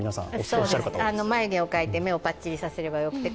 まゆげを描いて、目をぱっちりさせればよくて。